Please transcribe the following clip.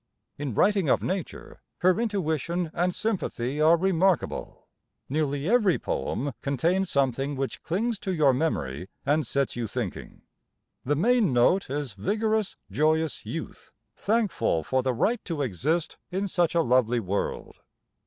In writing of nature her intuition and sympathy are remarkable. Nearly every poem contains something which clings to your memory and sets you thinking.... The main note is vigorous, joyous youth, thankful for the right to exist in such a lovely world.